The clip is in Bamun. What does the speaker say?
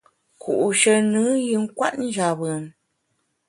Ku’she nùn yin kwet njap bùn.